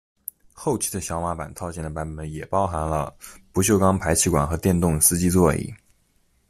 后期的小马版套件的版本也包含了不锈钢排气管和电动司机座椅。